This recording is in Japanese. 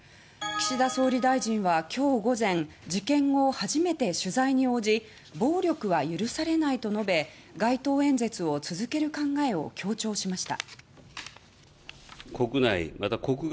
岸田総理大臣は今日午前事件を初めて取材に応じ暴力は許されないと述べ街頭演説を続ける考えを強調しました。